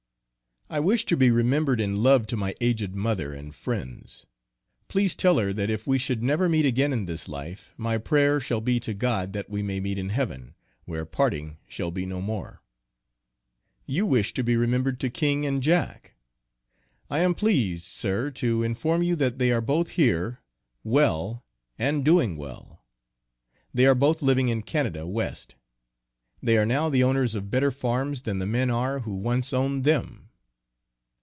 I wish to be remembered in love to my aged mother, and friends; please tell her that if we should never meet again in this life, my prayer shall be to God that we may meet in Heaven, where parting shall be no more. You wish to be remembered to King and Jack. I am pleased, sir, to inform you that they are both here, well, and doing well. They are both living in Canada West. They are now the owners of better farms than the men are who once owned them.